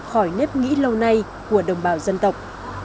khỏi nếp nghĩ lâu nay của đồng bào dân tộc